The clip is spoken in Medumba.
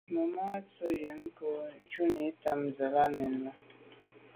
Màmá à’ tswə́ yə́n kɔ̌ shúnì támzə̄ à nɛ̌n lá’.